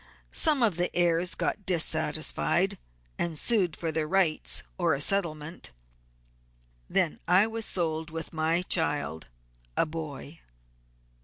Some of the heirs got dissatisfied, and sued for their rights or a settlement; then I was sold with my child, a boy."